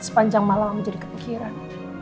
sepanjang malam mama jadi kepikiran